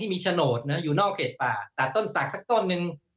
ที่มีฉโนธอยู่นอกเขตป่าตัดต้นสักสักต้นนึง